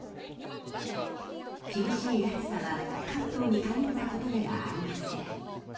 厳しい暑さは関東に限ったことではありません。